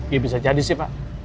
ya bisa jadi sih pak